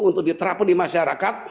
untuk diterapun di masyarakat